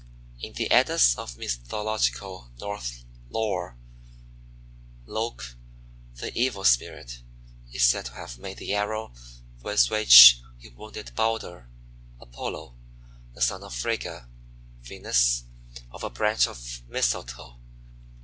In the Eddas of mythological Norse lore, Loke, the evil spirit, is said to have made the arrow with which he wounded Balder (Apollo), the son of Friga (Venus), of a branch of Mistletoe.